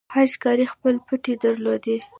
هر ښکاري خپل پټی درلود.